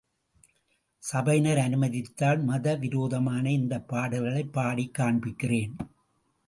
சபையினர் அனுமதித்தால் மத விரோதமான இந்தப் பாடல்களைப் பாடிக் காண்பிக்கிறேன்.